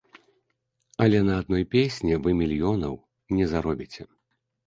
Але на адной песні вы мільёнаў не заробіце.